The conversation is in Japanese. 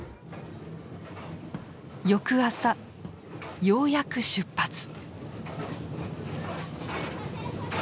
翌朝ようやく出発。